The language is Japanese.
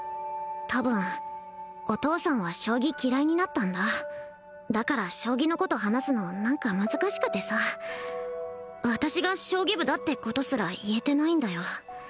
多分お父さんは将棋嫌いになったんだだから将棋のこと話すの何か難しくてさ私が将棋部だってことすら言えてないんだよ